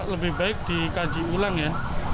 lebih baik dikaji ulang ya